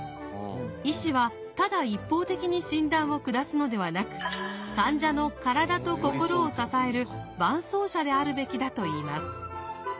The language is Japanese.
医師はただ一方的に診断を下すのではなく患者の体と心を支える伴走者であるべきだといいます。